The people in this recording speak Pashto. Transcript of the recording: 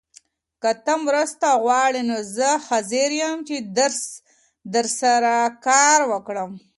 که ته مرسته غواړې نو زه حاضر یم چي درسره کار وکړم.